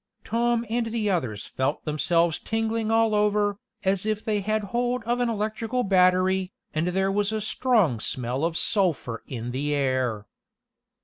Tom and the others felt themselves tingling all over, as if they had hold of an electrical battery, and there was a strong smell of sulphur in the air.